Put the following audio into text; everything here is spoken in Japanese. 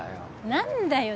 何でだよ。